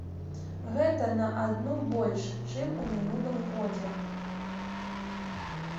Гэта на адну больш, чым у мінулым годзе.